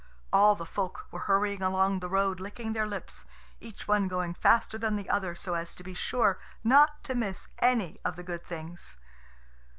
All the folk were hurrying along the road licking their lips, each one going faster than the other so as to be sure not to miss any of the good things.